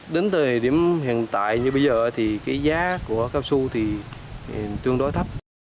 đến thời điểm hiện tại như bây giờ giá của cao su tương đối thấp